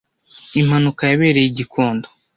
impanuka yabereye I gikondo